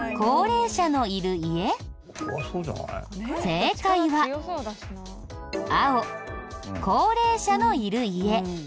正解は青高齢者のいる家。